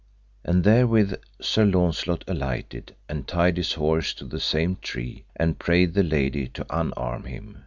And therewith Sir Launcelot alighted, and tied his horse to the same tree, and prayed the lady to unarm him.